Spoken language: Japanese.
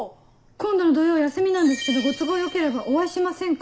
「今度の土曜休みなんですけどご都合よければお会いしませんか？」